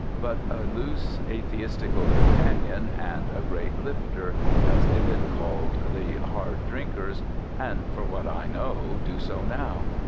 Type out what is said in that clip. but a loose atheistical companion, and a great Lifter, as they then call'd the hard drinkers, and for what I know do so now.